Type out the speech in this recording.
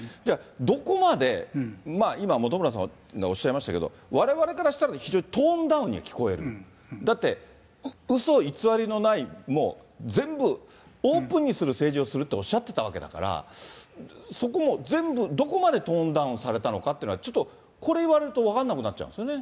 どこまで、今、本村さんがおっしゃいましたけど、われわれからしたら非常にトーンダウンに聞こえる、だって、うそ偽りのないもう全部オープンにする政治をするっておっしゃってたわけだから、そこも全部、どこまでトーンダウンされたのかっていうのは、ちょっとこれ言われると、分かんなくなっちゃいますよね。